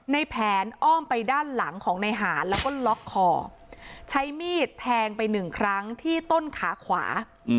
ในแผนอ้อมไปด้านหลังของในหารแล้วก็ล็อกคอใช้มีดแทงไปหนึ่งครั้งที่ต้นขาขวา